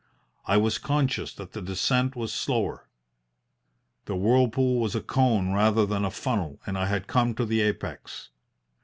I was conscious that the descent was slower. The whirlpool was a cone rather than a funnel, and I had come to the apex.